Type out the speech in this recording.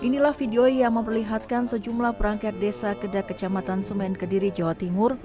inilah video yang memperlihatkan sejumlah perangkat desa kedak kecamatan semen kediri jawa timur